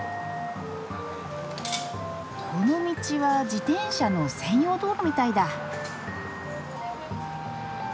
この道は自転車の専用道路みたいだ。